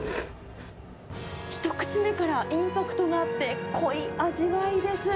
一口目からインパクトがあって、濃い味わいです。